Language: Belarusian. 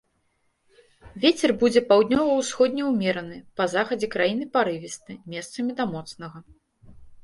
Вецер будзе паўднёва-ўсходні ўмераны, па захадзе краіны парывісты, месцамі да моцнага.